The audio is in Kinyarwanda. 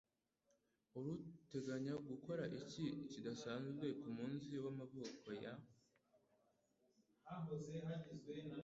Wari uteganya gukora ikintu kidasanzwe kumunsi w'amavuko ya ?